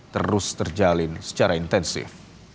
terus terjalin secara intensif